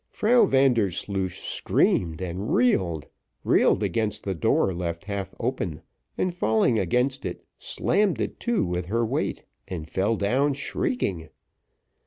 Frau Vandersloosh screamed and reeled reeled against the door left half open, and falling against it, slammed it to with her weight, and fell down shrieking.